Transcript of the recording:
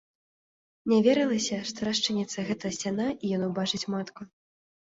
Не верылася, што расчыніцца гэта сцяна і ён убачыць матку.